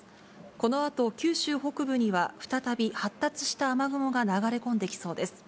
このあと九州北部には、再び発達した雨雲が流れ込んできそうです。